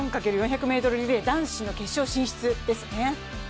４×４００ｍリレーの男子、決勝進出ですね。